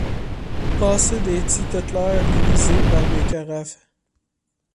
Passer des titotlers grisés par des carafes ;